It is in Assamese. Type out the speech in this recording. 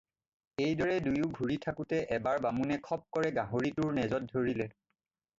এইদৰে দুয়ো ঘূৰি থাকোতে এবাৰ বামুণে খপকৰে গাহৰিটোৰ নেজত ধৰিলে।